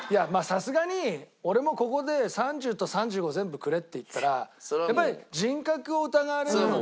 さすがに俺もここで３０と３５全部くれって言ったらやっぱり人格を疑われるので。